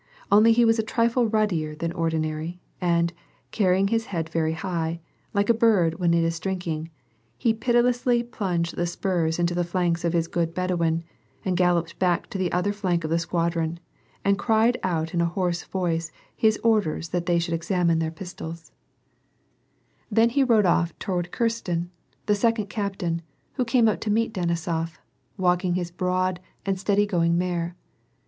Only he was a trifle ruddier than ordinary, and, carrj^ing his head very high, like a bird when it is drinking, he pitilessly plunged the spurs into the iasi\s of his good Bedouin, and galloped back to the other Sank of the squadron, and cried out in a hoarse voice his orders that they should examine their pistols. ^ "W:. 170 ^^ iiSTD PEACE. Then he rode off towai d' Xitsten, the second captain, who came up to meet Dehisof, walfahg his broad and steady going mare.